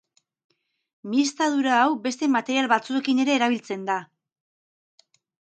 Mihiztadura hau beste material batzuekin ere erabiltzen da.